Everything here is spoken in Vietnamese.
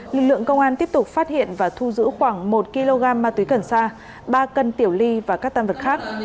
lực lượng công an tiếp tục phát hiện và thu giữ khoảng một kg ma túy cần sa ba cân tiểu ly và các tam vật khác